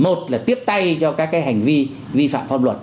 một là tiếp tay cho các hành vi vi phạm pháp luật